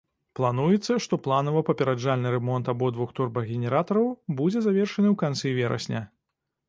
Плануецца, што планава-папераджальны рамонт абодвух турбагенератараў будзе завершаны ў канцы верасня.